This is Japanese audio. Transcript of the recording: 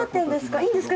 いいんですか？